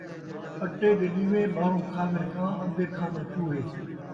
اٹے دے ݙیوے، ٻاہر کھاون کاں، اندر کھاون چوہے